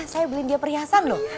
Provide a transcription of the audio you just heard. oh iya saya beliin dia perhiasan loh